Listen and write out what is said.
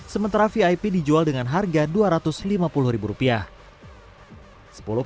sementara vip dijual dengan harga dua ratus lima puluh ribu rupiah